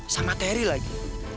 sama teri lagi